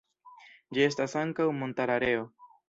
Ĝi estas ankaŭ montara areo.